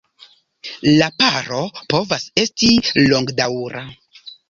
La paro povas esti longdaŭra.